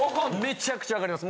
めちゃくちゃわかります。